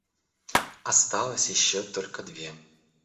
Осталось ещё только две.